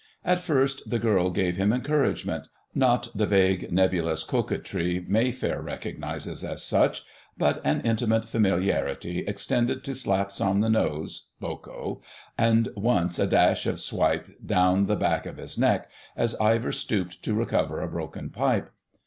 At first the girl gave him encouragement—not the vague, nebulous coquetry Mayfair recognises as such, but an intimate familiarity extended to slaps on the nose (boko), and once a dash of swipes down the back of his neck as Ivor stooped to recover a broken pipe.